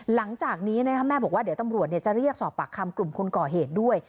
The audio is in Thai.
หลังจากนี้แม่บอกว่าเดี๋ยวตำรวจจะเรียกสอบปากคำกลุ่มคนก่อเหตุด้วย